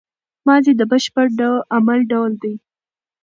ماضي د بشپړ عمل ډول دئ.